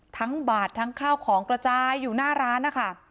บาททั้งข้าวของกระจายอยู่หน้าร้านนะคะ